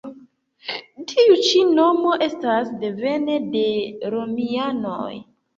Tiu ĉi nomo estas devene de romianoj.